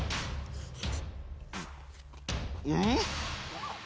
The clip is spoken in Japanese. うん？